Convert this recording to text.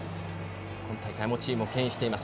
今大会もチームをけん引しています。